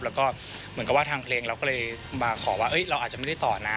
แล้วก็เหมือนกับว่าทางเพลงเราก็เลยมาขอว่าเราอาจจะไม่ได้ต่อนะ